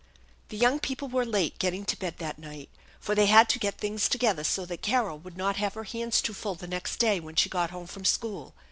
The young people were late getting to bed that night, for they had to get things together so that Carol would not have her hands too full the next day when she got home from school.